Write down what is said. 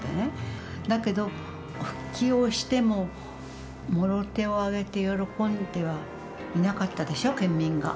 だけど復帰をしてももろ手を挙げて喜んではいなかったでしょ県民が。